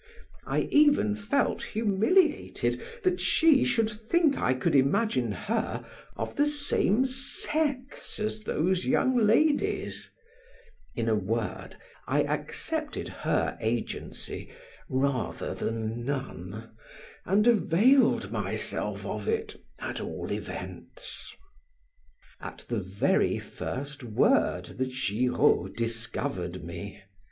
I even felt humiliated that she should think I could imagine her of the same sex as those young ladies: in a word, I accepted her agency rather than none, and availed myself of it at all events. At the very first word, Giraud discovered me.